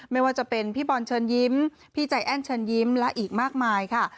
ไม่ว่าจะเป็นพี่บอลเชิญยิ้มพี่ใจแอ้นเชิญยิ้มและอีกมากมายค่ะ